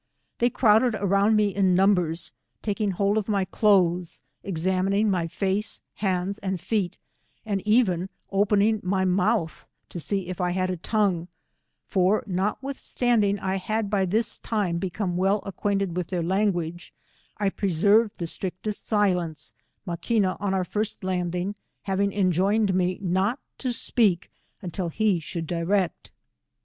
They crowded around me in numbers, taking hold of my clothes, examining my face, hands and feet, and even opening my mouth to see if I had a tongue, for notwithstanding I had by this time become well acquainted with their language, I preserved the strictest silence, Maquina on our first landing having enjoined me not to speak, until he should direct.